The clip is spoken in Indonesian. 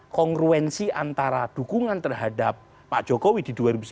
kongruensi antara dukungan terhadap pak jokowi di dua ribu sembilan belas